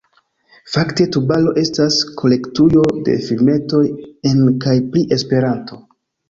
Fakte Tubaro estas kolektujo de filmetoj en kaj pri Esperanto.